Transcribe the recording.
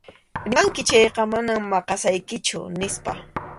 Rimanki chayqa mana maqasaykichu, nispa.